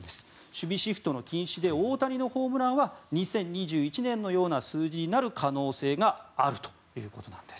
守備シフトの禁止で大谷のホームランは２０２１年のような数字になる可能性があるということです。